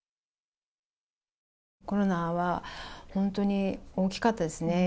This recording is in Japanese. コロナは本当に大きかったですね。